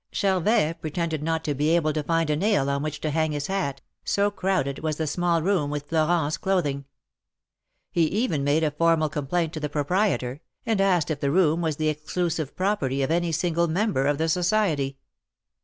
Charvet pretended not to be able to find a nail on which to hang his hat, so crowded was the small room with Florent's clothing. He even made a formal complaint to the proprietor, and asked if the room was the exclusive 23roperty of any single member of the society.